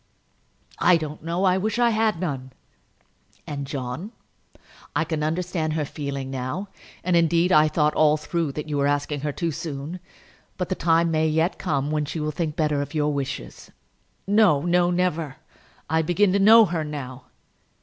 "I don't know. I wish that I had none." "And, John; I can understand her feeling now; and indeed, I thought all through that you were asking her too soon; but the time may yet come when she will think better of your wishes." "No, no; never. I begin to know her now."